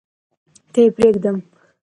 که يې پرېږدم .